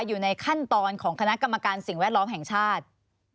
อยู่ในขั้นตอนของคณะกรรมการสิ่งแวดล้อมแห่งชาติ